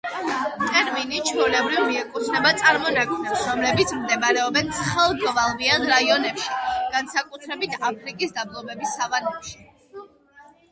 ტერმინი ჩვეულებრივ მიეკუთვნება წარმონაქმნებს, რომლებიც მდებარეობენ ცხელ გვალვიან რაიონებში, განსაკუთრებით აფრიკის დაბლობების სავანებში.